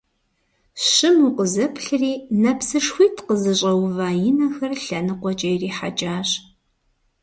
Щыму къызэплъри, нэпсышхуитӀ къызыщӀэува и нэхэр лъэныкъуэкӀэ ирихьэкӀащ.